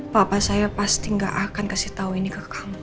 papa saya pasti gak akan kasih tahu ini ke kamu